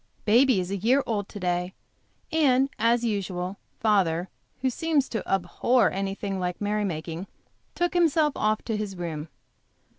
Baby is a year old to day, and, as usual, father, who seems to abhor anything like a merry making, took himself off to his room.